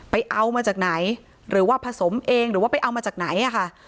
ไปเอามาจากไหนหรือว่าผสมเองหรือว่าไปเอามาจากไหนอะค่ะ